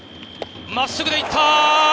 真っすぐで行った！